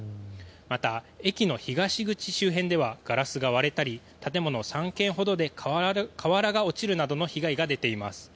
また、駅の東口周辺ではガラスが割れたり建物３軒ほどで瓦が落ちるなどの被害が出ています。